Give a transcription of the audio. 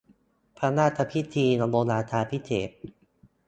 พระราชพิธีบรมราชาภิเษก